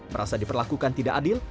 merasa diperlakukan tidak adil